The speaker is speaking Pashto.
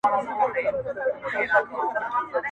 زما جانان ګل د ګلاب دی برخه ورکړې له ژوندونه!.